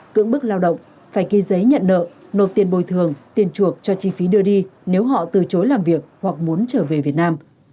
cưỡng bức lao động phải ghi giấy nhận nợ nộp tiền bồi thường tiền chuộc cho chi phí đưa đi nếu họ từ chối làm việc hoặc muốn trở về việt nam